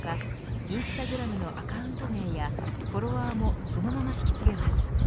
インスタグラムのアカウント名やフォロワーもそのまま引き継げます。